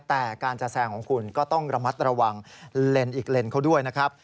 แต่การจะแซงของคุณก็ต้องระมัดระวังเลนส์อีกเลนเขาด้วยนะครับ